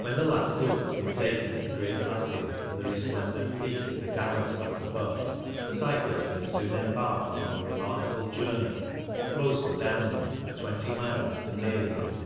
When the last look has been taken at the great glacier and the resplendent peak of the Galenstock above, the cyclist may soon embark upon the remarkable journey, mostly downward, of twenty miles to Meiringen.